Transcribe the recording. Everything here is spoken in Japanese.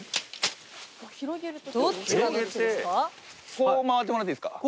こう回ってもらっていいですか？